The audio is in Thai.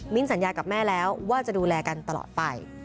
สัญญากับแม่แล้วว่าจะดูแลกันตลอดไป